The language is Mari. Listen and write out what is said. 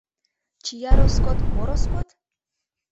Чия роскот - мо роскот? -